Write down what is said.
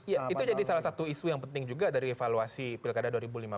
ya itu jadi salah satu isu yang penting juga dari evaluasi pilkada dua ribu lima belas